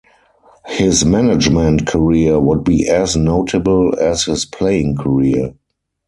His management career would be as notable as his playing career.